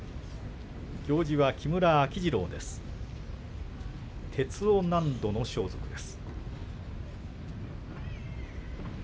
行司は木村秋治郎です。